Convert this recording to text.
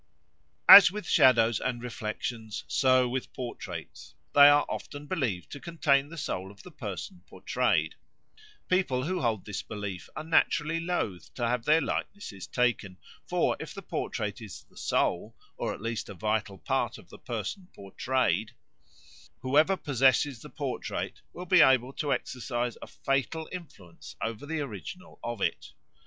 As with shadows and reflections, so with portraits; they are often believed to contain the soul of the person portrayed. People who hold this belief are naturally loth to have their likenesses taken; for if the portrait is the soul, or at least a vital part of the person portrayed, whoever possesses the portrait will be able to exercise a fatal influence over the original of it.